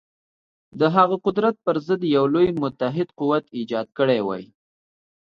د هغه قدرت پر ضد یو لوی متحد قوت ایجاد کړی وای.